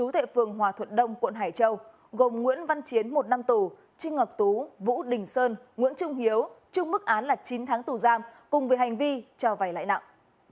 tại phường hòa thuận đông quận hải châu gồm nguyễn văn chiến một năm tù trinh ngọc tú vũ đình sơn nguyễn trung hiếu trung mức án là chín tháng tù giam cùng với hành vi cho vay lãi nặng